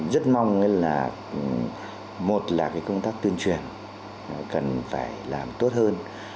và một là cái công tác tuyên truyền cần phải làm tốt hơn